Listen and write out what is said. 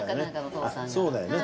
そうだよね。